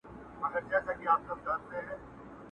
پاچا وغوښته نجلۍ واده تیار سو!